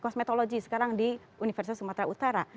kosmetologi sekarang di universitas sumatera utara